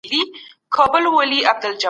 تاسو به د خپلي خاوري د ابادۍ لپاره فکر کوئ.